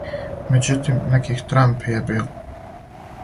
Међутим, неких трампи је било.